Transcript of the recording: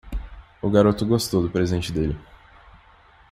O garoto gostou do presente dele.